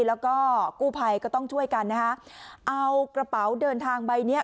แล้วก็กู้ภัยก็ต้องช่วยกันนะฮะเอากระเป๋าเดินทางใบเนี้ย